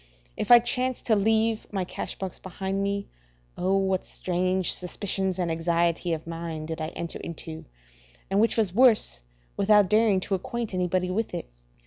If I chanced to leave my cash box behind me, O, what strange suspicions and anxiety of mind did I enter into, and, which was worse, without daring to acquaint anybody with it.